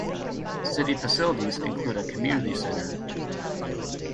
City facilities include a community center.